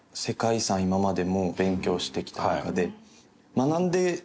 今までも勉強してきた中で。